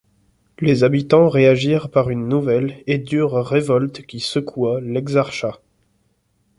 Les habitants réagirent par une nouvelle et dure révolte qui secoua l’Exarchat.